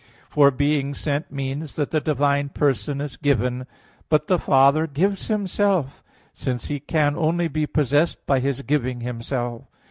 For being sent means that the divine person is given. But the Father gives Himself since He can only be possessed by His giving Himself.